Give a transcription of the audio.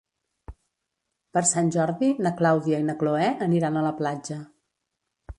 Per Sant Jordi na Clàudia i na Cloè aniran a la platja.